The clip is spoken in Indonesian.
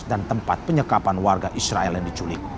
tempat penyekapan warga israel yang diculik